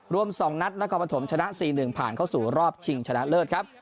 รวม๒นัดนครปฐมชนะ๔๑ผ่านเข้าสู่รอบชิงชนะเลิศครับ